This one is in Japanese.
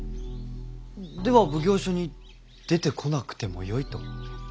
では奉行所に出てこなくてもよいと？